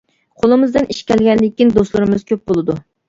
قولىمىزدىن ئىش كەلگەندىكىن دوستلىرىمىز كۆپ بولىدۇ.